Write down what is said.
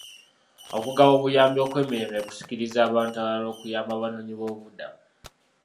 Okugaba obuyambi okw'emirembe kusikiriza abantu abalala okuyamba abanoonyi b'obubuddamu.